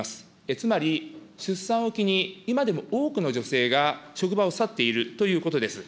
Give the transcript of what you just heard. つまり出産を機に今でも多くの女性が職場を去っているということです。